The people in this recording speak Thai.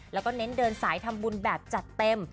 แล้วก็เน้นเดินสายทำบุญแบบจัดเต็ม